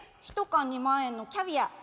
一缶２万円のキャビア。